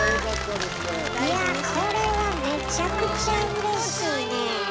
いやこれはめちゃくちゃうれしいねえ！